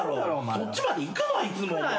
そっちまで行くないつもお前。